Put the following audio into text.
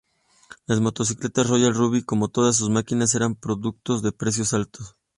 Las motocicletas "Royal Ruby", como todas sus máquinas, eran productos de precios altos.